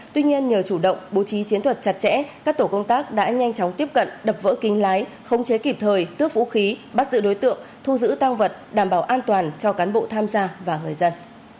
tuy nhiên nhờ chủ động bố trí chiến thuật chặt chẽ các tổ công tác đã nhanh chóng tiếp cận đập vỡ kính lái không chế kịp thời tước vũ khí bắt giữ đối tượng thu giữ tăng vật đảm bảo an toàn cho cán bộ tham gia và người dân